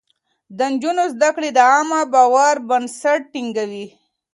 د نجونو زده کړه د عامه باور بنسټ ټينګوي.